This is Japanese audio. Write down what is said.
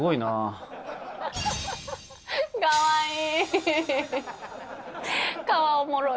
かわいい。